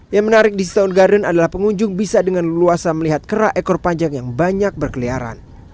yang menarik di stone garden adalah pengunjung bisa dengan leluasa melihat kerak ekor panjang yang banyak berkeliaran